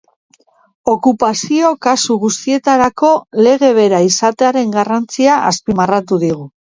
Okupazio kasu guztietarako lege bera izatearen garrantzia azpimarratu digu.